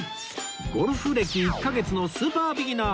ゴルフ歴１カ月のスーパービギナー